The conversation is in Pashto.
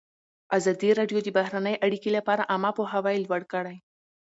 ازادي راډیو د بهرنۍ اړیکې لپاره عامه پوهاوي لوړ کړی.